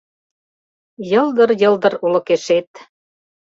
Йылдыр-йылдыр олыкешет